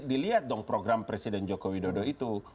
dilihat dong program presiden joko widodo itu